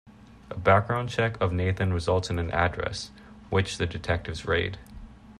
A background check of Nathan results in an address, which the detectives raid.